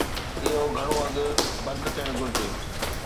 اهو گهڻو اڳ بند ٿيڻ گهرجي.